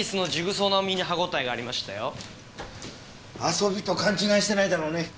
遊びと勘違いしてないだろうね？